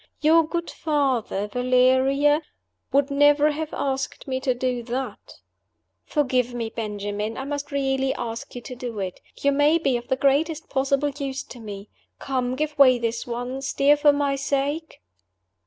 Your good father, Valeria, would never have asked me to do that." "Forgive me, Benjamin; I must really ask you to do it. You may be of the greatest possible use to me. Come, give way this once, dear, for my sake."